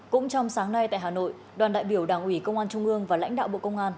cũng trong sáng nay tại hà nội đoàn đại biểu đảng ủy công an trung ương và lãnh đạo bộ công an